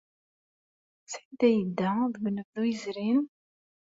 Sanda ay yedda deg unebdu yezrin?